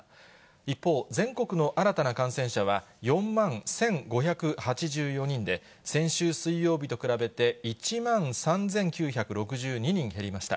一方、全国の新たな感染者は４万１５８４人で、先週水曜日と比べて１万３９６２人減りました。